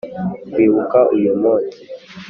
kwibuka uyu munsi.